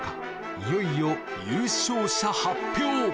いよいよ優勝者発表！